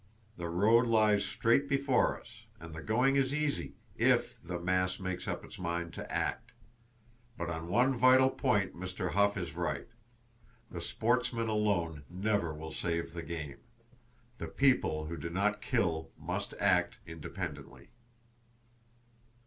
The road lies straight before us, and the going is easy—if the Mass makes up its mind to act. But on one vital point Mr. Hough is right. The sportsman alone never will save the game! The people who do not kill must act, independently.